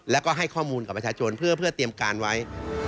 แล้วก็ให้ข้อมูลกับประชาชนเพื่อเตรียมการไว้